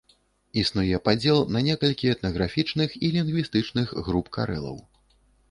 Існуе падзел на некалькі этнаграфічных і лінгвістычных груп карэлаў.